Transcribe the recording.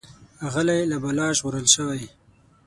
غلی، له بلا ژغورل شوی.